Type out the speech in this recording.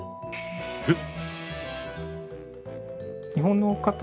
えっ？